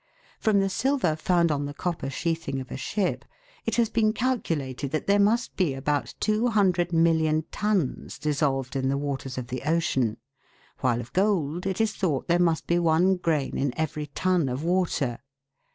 From the silver found on the copper sheathing of a ship it has been calculated that there must be about 200,000,000 tons dissolved in the waters of the ocean ; while of gold it is thought there must be one grain in every ton of water.